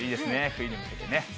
冬に向けてね。